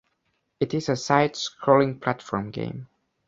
It is a side-scrolling platform game.